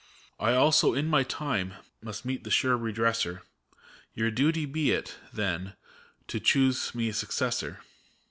I, also, in my time, must meet the sure Redresser ; Your duty be it, then, to choose me a successor.